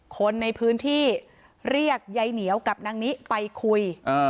คนในพื้นที่เรียกยายเหนียวกับนางนิไปคุย